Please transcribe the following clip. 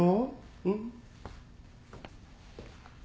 うん。